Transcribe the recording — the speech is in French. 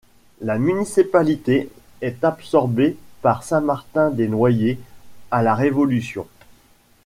La municipalité est absorbée par Saint-Martin-des-Noyers à la Révolution.